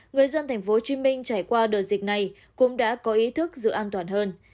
người dân tp hcm trải qua đợt dịch này cũng đã có ý thức giữ an toàn hơn